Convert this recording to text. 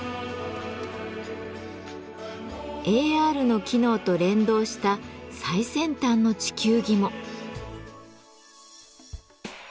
ＡＲの機能と連動した最先端の地球儀も。